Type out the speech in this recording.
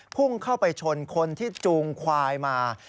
พุ่งเข้าไปชนคนที่จูงควายมา